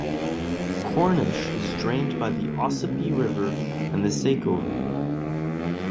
Cornish is drained by the Ossipee River and the Saco River.